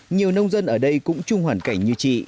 nhiều nông dân ở đây cũng chung hoàn cảnh như chị